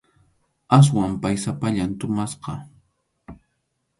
Aswan pay sapallan tumasqa.